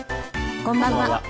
こんばんは。